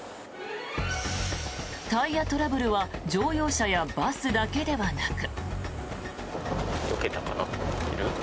タイヤトラブルは乗用車やバスだけではなく。